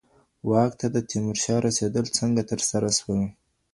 واک ته د تیمور شاه رسېدل څنګه ترسره سول؟